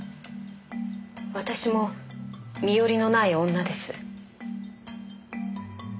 私も身寄りのない女です。